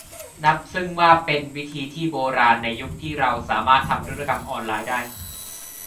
ซึ่งนับว่าเป็นวิธีที่โบราณในยุคที่เราสามารถทำธุรกรรมออนไลน์ได้